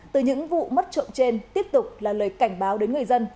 từ những vụ mất trộm trên tiếp tục là lời cảnh báo đến người dân